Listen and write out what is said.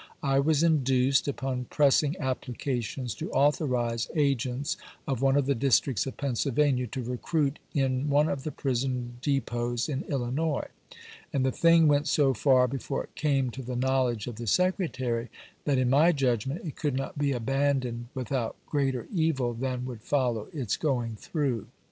I was induced, upon pressing applications, to authorize agents of one of the districts of Pennsylvania to recruit in one of the prison depots in Illinois ; and the thing went so far before it came to the know ledge of the Secretary that, in my judgment, it could not be abandoned without greater evil than would follow its going through.